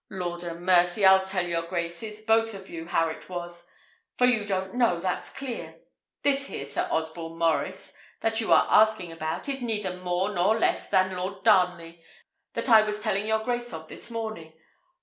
Lord 'a mercy! I'll tell your graces, both of you, how it was; for you don't know, that's clear. This here Sir Osborne Maurice, that you are asking about, is neither more nor less than that Lord Darnley that I was telling your grace of this morning.